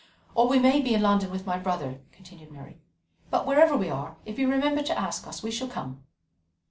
"Or we may be in London with my brother," continued Mary, "but wherever we are, if you remember to ask us, we shall come."